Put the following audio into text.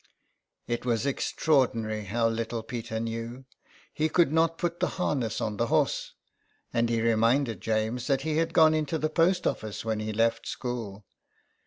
It was extraordinary how little Peter knew. He could not put the harness on the horse, and he reminded James that he had gone into the post office when he left school.